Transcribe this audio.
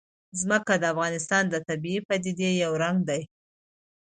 ځمکه د افغانستان د طبیعي پدیدو یو رنګ دی.